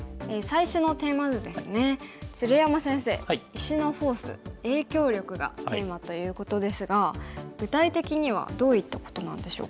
石のフォース影響力がテーマということですが具体的にはどういったことなんでしょうか？